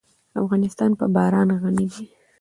افغانستان په باران غني دی.